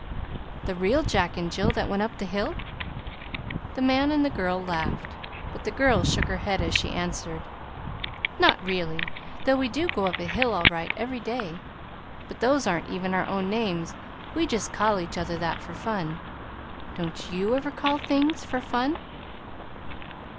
"The real 'Jack and Jill' that 'went up the hill'?" The man and the girl laughed; but the girl shook her head as she answered, "Not really though we do go up a hill, all right, every day. But those aren't even our own names. We just call each other that for fun. Don't YOU ever call things for fun?"